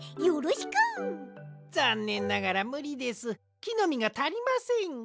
よろしく！ざんねんながらむりですきのみがたりません。